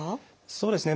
そうですね。